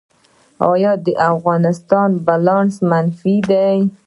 آیا د افغانستان بیلانس منفي دی؟